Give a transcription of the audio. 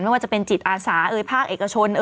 ไม่ว่าจะเป็นจิตอาสาเอ่ยภาคเอกชน